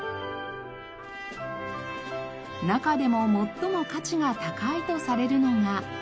中でも最も価値が高いとされるのが。